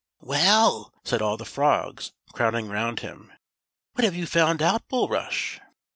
"Well," said all the frogs, crowding round him; "what have you found out, Bulrush.'"